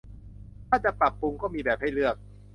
ถ้าจะปรับปรุงก็จะมีแบบให้เลือก